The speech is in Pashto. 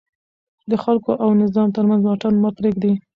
د خلکو او نظام ترمنځ واټن مه پرېږدئ.